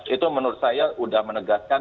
itu menurut saya sudah menegaskan